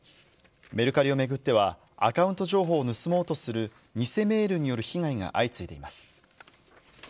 メルカリを巡っては、アカウント情報を盗もうとする偽メールによる被害が相次いでいます。